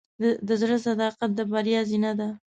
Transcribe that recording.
د زړۀ صداقت د بریا زینه ده.